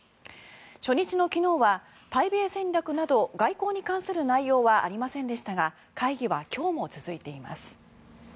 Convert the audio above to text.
初日の昨日は対米戦略など外交に関する内容はありませんでしたが会議は今日も続いています。